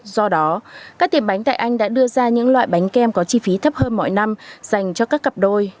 do đó các tiệm bánh tại anh đã đưa ra những loại bánh kem có chi phí thấp hơn mọi năm dành cho các cặp đôi